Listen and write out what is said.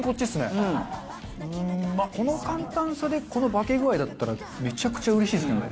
この簡単さでこの化け具合だったらめちゃくちゃうれしいですけどね。